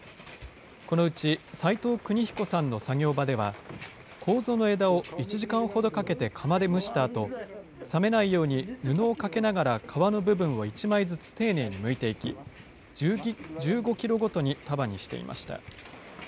このうち、齋藤邦彦さんの作業場では、こうぞの枝を１時間ほどかけて釜で蒸したあと、冷めないように、布をかけながら、皮の部分を１枚ずつ丁寧にむいていき、１５キロごとに束にしていました。